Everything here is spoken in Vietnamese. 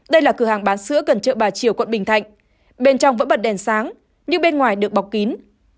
đây là cửa hàng bán sữa gần chợ bà triều quận bình thạnh bên trong vẫn bật đèn sáng nhưng bên ngoài được bọc kín